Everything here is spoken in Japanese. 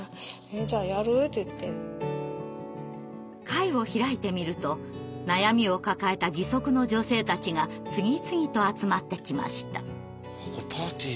会を開いてみると悩みを抱えた義足の女性たちが次々と集まってきました。